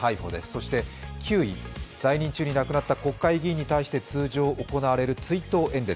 そして９位、在任中に亡くなった国会議員に対して通常行われる追悼演説。